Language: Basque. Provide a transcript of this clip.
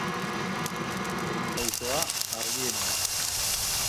Lehen pausoa argiena da.